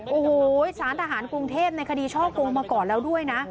โอ้โหสารทหารกรุงเทพในคดีช่อกงมาก่อนแล้วด้วยนะ